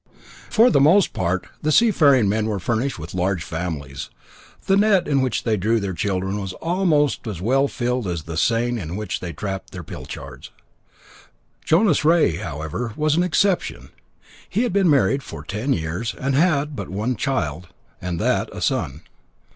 For the most part, the seafaring men were furnished with large families. The net in which they drew children was almost as well filled as the seine in which they trapped pilchards. Jonas Rea, however, was an exception; he had been married for ten years, and had but one child, and that a son.